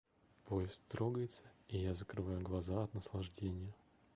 Поезд трогается, и я закрываю глаза от наслаждения.